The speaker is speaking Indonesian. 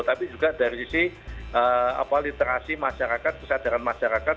tapi juga dari sisi literasi masyarakat kesadaran masyarakat